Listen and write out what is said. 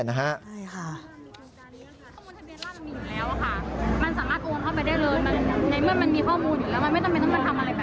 ใช่ค่ะ